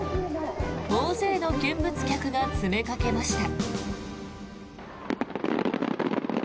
大勢の見物客が詰めかけました。